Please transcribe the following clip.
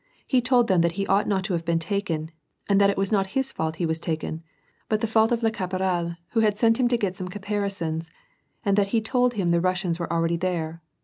He told them that he ought not to have been taken, and that it was not his fault he was taken, but the fault of le caporal, who had sent him to get some caparisons, and that he told him the Russians were already there.